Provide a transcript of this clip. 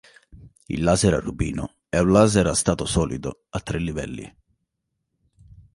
Il laser a rubino è un laser a stato solido a tre livelli.